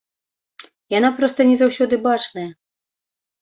Яна проста не заўсёды бачная.